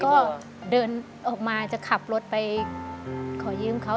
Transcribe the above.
ก็เดินออกมาจะขับรถไปขอยืมเขา